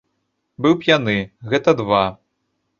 Быў п'яны, гэта два.